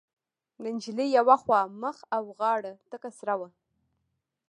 د نجلۍ يوه خوا مخ او غاړه تکه سره وه.